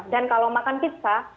dan kalau makan pizza